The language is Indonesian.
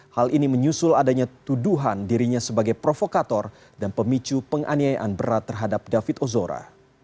hal ini menyusul adanya tuduhan dirinya sebagai provokator dan pemicu penganiayaan berat terhadap david ozora